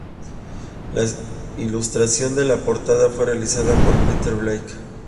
La ilustración de la portada fue realizada por Peter Blake.